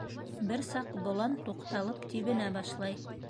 Бер саҡ болан туҡталып, тибенә башлай.